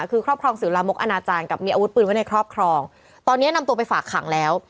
คือครอบครองสิวลามกอนาจารย์กับมีอาวุธปืนไว้ในครอบครองตอนนี้นำตัวไปฝากขังแล้ว